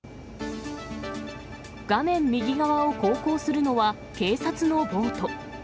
画面右側を航行するのは、警察のボート。